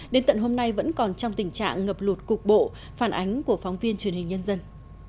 đến tận hôm nay vẫn còn trong tình trạng ngập lụt cục bộ phản ánh của phóng viên truyền hình nhân dân